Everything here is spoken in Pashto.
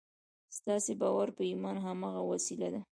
ستاسې باور يا ايمان هماغه وسيله ده.